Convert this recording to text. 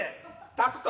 タクト。